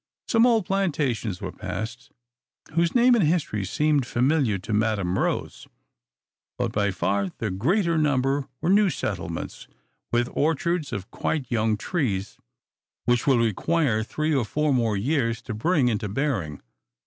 Some few old plantations were passed, whose name and history seemed familiar to Madam Rose; but by far the greater number were new settlements, with orchards of quite young trees, which will require three or four more years to bring into bearing.